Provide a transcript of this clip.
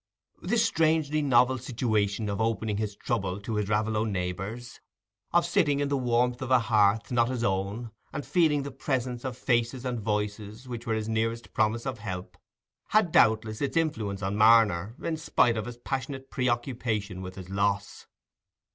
This strangely novel situation of opening his trouble to his Raveloe neighbours, of sitting in the warmth of a hearth not his own, and feeling the presence of faces and voices which were his nearest promise of help, had doubtless its influence on Marner, in spite of his passionate preoccupation with his loss.